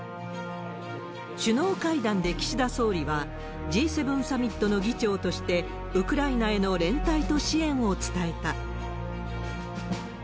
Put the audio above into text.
首脳会談で岸田総理は、Ｇ７サミットの議長として、ウクライナへの連帯と支援を伝えた。